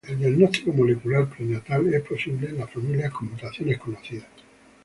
El diagnóstico molecular prenatal es posible en las familias con mutaciones conocidas.